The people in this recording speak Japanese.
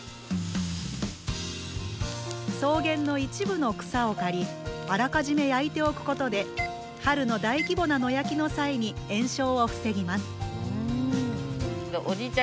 草原の一部の草を刈りあらかじめ焼いておくことで春の大規模な野焼きの際に延焼を防ぎます。